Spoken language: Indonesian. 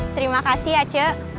terima kasih aceh